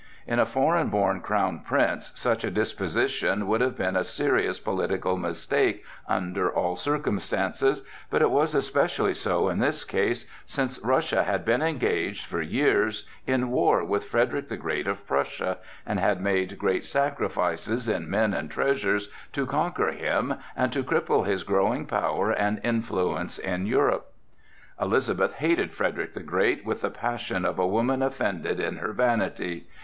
In a foreign born crown prince such a disposition would have been a serious political mistake under all circumstances, but it was especially so in this case, since Russia had been engaged, for years, in war with Frederick the Great of Prussia, and had made great sacrifices in men and treasures to conquer him and to cripple his growing power and influence in Europe. Elizabeth hated Frederick the Great with the passion of a woman offended in her vanity.